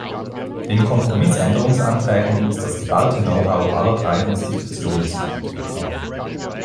Den Kompromissänderungsanträgen ist das geballte Know-how aller drei Institutionen zugute gekommen.